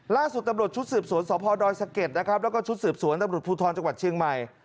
ล่าสุดตำรวจชุดสืบสวนสพดอยสะเก็ดนะครับแล้วก็ชุดสืบสวนตำรวจภูทรจังหวัดเชียงใหม่